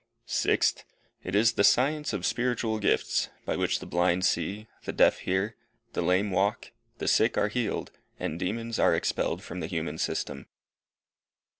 Sixth. It is the science of spiritual gifts, by which the blind see, the deaf hear, the lame walk, the sick are healed, and demons are expelled from the human system.